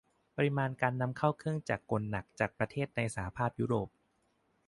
ปริมาณการนำเข้าเครื่องจักรกลหนักจากประเทศในสหภาพยุโรป